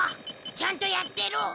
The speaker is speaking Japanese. ちゃんとやってる！